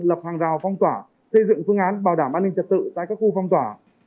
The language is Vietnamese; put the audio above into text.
lập hàng rào phong tỏa xây dựng phương án bảo đảm an ninh trật tự tại các khu phong tỏa